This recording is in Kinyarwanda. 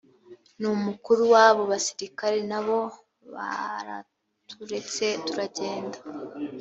n umukuru w abo basirikare na bo baraturetse turagenda